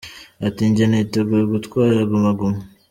Ati: “Njye niteguye gutwara Guma Guma.